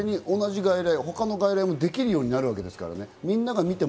ここの外来もできるようになるわけですからね。